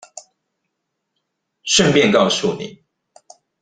順便告訴你